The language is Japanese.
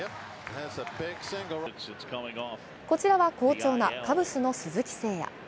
こちらは好調なカブスの鈴木誠也。